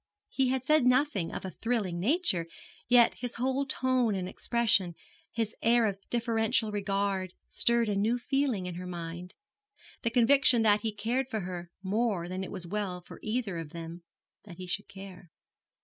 He had said nothing of a thrilling nature, yet his whole tone and expression, his air of deferential regard, stirred a new feeling in her mind the conviction that he cared for her more than it was well for either of them that he should care.